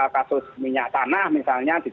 kasus minyak tanah misalnya